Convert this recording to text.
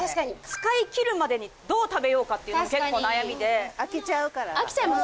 使い切るまでにどう食べようかっていうのが結構悩みで飽きちゃうから飽きちゃいます